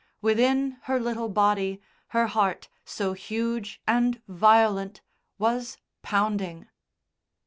Within her little body her heart, so huge and violent, was pounding.